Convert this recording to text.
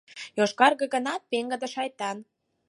Йошкарге гынат, пеҥгыде, шайтан!